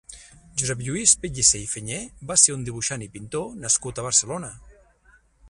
Josep Lluís Pellicer i Fenyé va ser un dibuixant i pintor nascut a Barcelona.